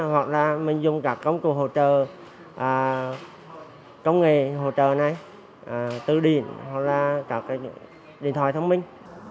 hoặc là mình dùng các công cụ hỗ trợ công nghệ hỗ trợ này từ điện hoặc là các cái điện thoại thông minh